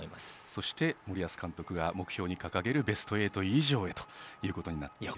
そして、森保監督が目標に掲げるベスト８以上へということになってきます。